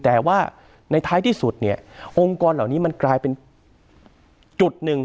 แต่ว่าในท้ายที่สุดเนี่ยองค์กรเหล่านี้มันกลายเป็นจุดหนึ่ง